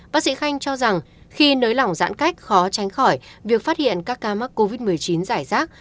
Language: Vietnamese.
bác sĩ khanh cho rằng khi nới lỏng giãn cách khó tránh khỏi việc phát hiện các ca mắc covid một mươi chín giải rác